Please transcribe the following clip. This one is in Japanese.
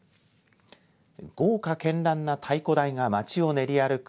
豪華けんらんの太鼓台が街を練り歩く